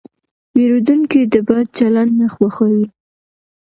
پیرودونکی د بد چلند نه خوښوي.